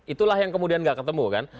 itulah yang kemudian gak ketemu kan